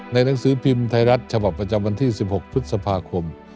หนังสือพิมพ์ไทยรัฐฉบับประจำวันที่๑๖พฤษภาคม